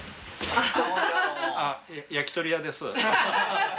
あっ焼き鳥屋です。